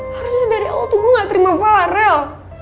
harusnya dari oh tuh gue gak terima farel